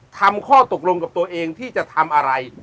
ข้อตกลงกับตัวเองที่จะทำอะไร